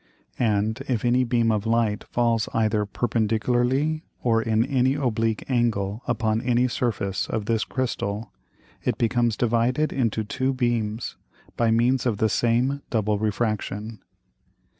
And if any beam of Light falls either perpendicularly, or in any oblique Angle upon any Surface of this Crystal, it becomes divided into two beams by means of the same double Refraction.